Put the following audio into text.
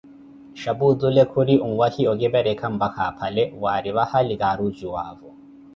Xhapu otule khuri onwahi okiperekha mpakha aphale, wari vahali karucuwavo.